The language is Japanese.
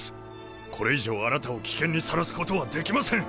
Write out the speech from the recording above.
これ以上あなたを危険にさらすことはできません！